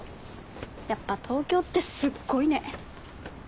やっぱ東京ってすっごいね。